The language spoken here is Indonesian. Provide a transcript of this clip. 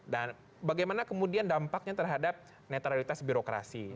dan bagaimana kemudian dampaknya terhadap netralitas birokrasi